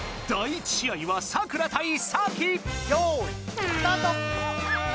よいスタート！